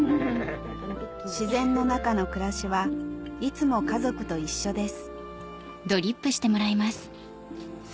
自然の中の暮らしはいつも家族と一緒です